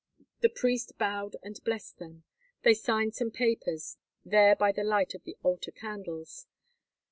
The priest bowed and blessed them. They signed some papers, there by the light of the altar candles.